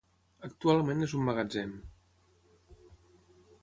Actualment és un magatzem.